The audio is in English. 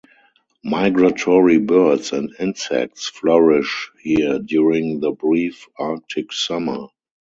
Migratory birds and insects flourish here during the brief Arctic summer.